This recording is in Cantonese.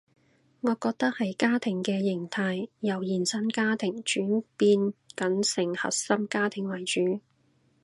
我覺得係家庭嘅型態由延伸家庭轉變緊成核心家庭為主